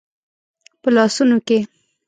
په لاسونو کې